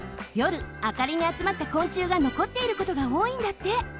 あかりにあつまった昆虫がのこっていることがおおいんだって。